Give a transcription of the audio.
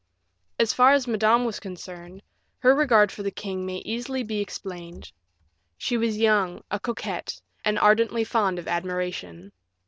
As far as Madame was concerned, her regard for the king may easily be explained: she was young, a coquette, and ardently fond of admiration.